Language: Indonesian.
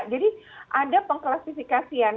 jadi ada pengklasifikasian